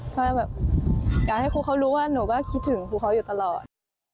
ถ้าแบบอยากให้ครูเขารู้ว่าหนูก็คิดถึงครูเขาอยู่ตลอด